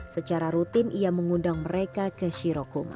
secara rutin ia mengundang mereka ke shirokuma